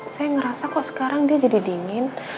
saya ngerasa kok sekarang dia jadi dingin